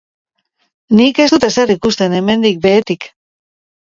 Nik ez dut ezer ikusten hemendik behetik!